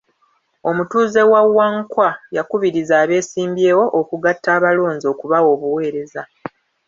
Omutuuze wa Wangkwa yakubiriza abeesimbyewo okugatta abalonzi okubawa obuweereza.